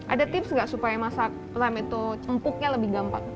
ada tips nggak supaya masak lem itu cempuknya lebih gampang